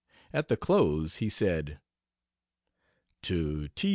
At the close he said: To T.